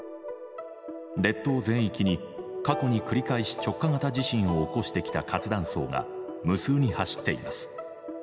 列島全域に過去に繰り返し直下型地震を起こしてきた活断層が無数に走っています。